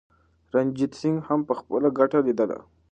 رنجیت سنګ هم خپله ګټه لیدله.